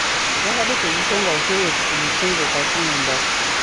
Zaabadde tezisonga butereevu ku mukungu Katumba.